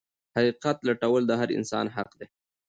حقيقت لټول د هر انسان حق دی.